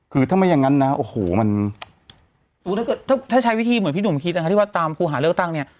คือถ้าไม่อย่างนั้นนะโอ้โหมันถ้าใช้วิธีเหมือนพี่หนุ่มคิดนะคะที่ว่าตามครูหาเลือกตั้งเนี่ย